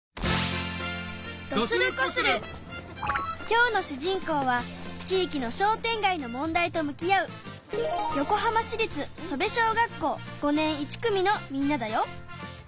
今日の主人公は地いきの商店街の問題と向き合う横浜市立戸部小学校５年１組のみんなだよ。